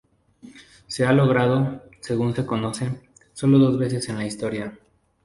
Se ha logrado, según se conoce, solo dos veces en la historia.